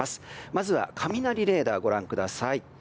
まずは雷レーダーご覧ください。